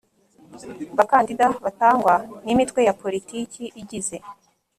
Bakandida batangwa n imitwe ya politiki igize